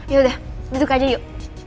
yaudah duduk aja yuk